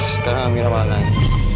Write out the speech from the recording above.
sekarang amira malah